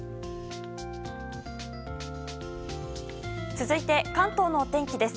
続いて関東の天気です。